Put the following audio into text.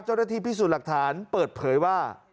เจ้าหน้าที่พิสูจน์หลักฐานเปิดเผยว่า